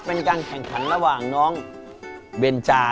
เป็นการแข่งขันระหว่างน้องเบนจา